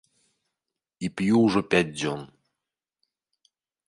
І п'ю ўжо пяць дзён.